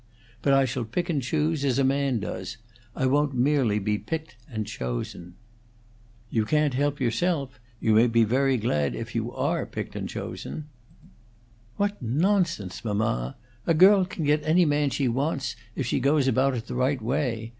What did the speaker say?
But I shall pick and choose, as a man does; I won't merely be picked and chosen." "You can't help yourself; you may be very glad if you are picked and chosen." "What nonsense, mamma! A girl can get any man she wants, if she goes about it the right way.